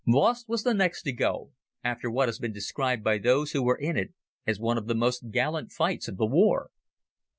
Voss was the next to go, after what has been described by those who were in it as one of the most gallant fights of the war.